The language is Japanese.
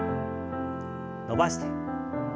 伸ばして。